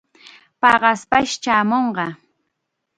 Paqaspash chaamunqa.